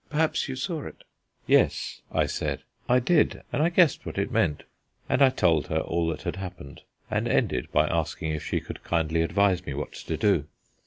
Perhaps you saw it?" "Yes," I said, "I did, and I guessed what it meant." And I told her all that had happened, and ended by asking if she could kindly advise me what to do.